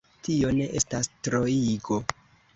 Tio ne estas troigo.